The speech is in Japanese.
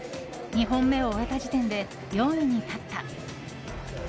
２本目を終えた時点で４位に立った。